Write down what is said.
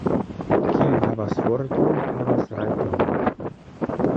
Kiu havas forton, havas rajton.